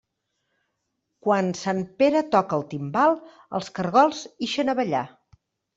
Quan sant Pere toca el timbal, els caragols ixen a ballar.